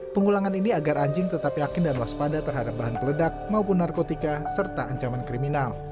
pengulangan ini agar anjing tetap yakin dan waspada terhadap bahan peledak maupun narkotika serta ancaman kriminal